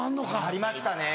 ありましたね。